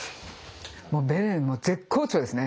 もうベレンは絶好調ですね。